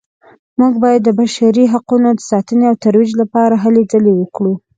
موږ باید د بشري حقونو د ساتنې او ترویج لپاره هلې ځلې وکړو